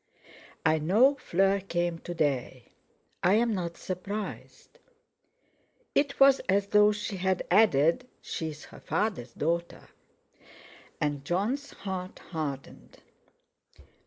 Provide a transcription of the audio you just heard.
"I know Fleur came to day. I'm not surprised." It was as though she had added: "She is her father's daughter!" And Jon's heart hardened.